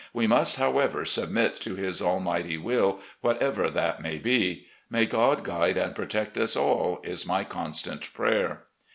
We must, however, submit to His almighty will, whatever that may be. May God guide and protect us all is my constant prayer."